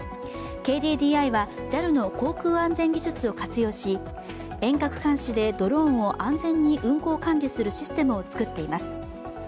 ＫＤＤＩは、ＪＡＬの航空安全技術を活用し遠隔監視でドローンを安全に運航管理するシステムを作っています。